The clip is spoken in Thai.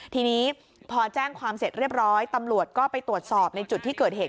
ทีนี้พอแจ้งความเสร็จเรียบร้อยตำรวจก็ไปตรวจสอบในจุดที่เกิดเหตุ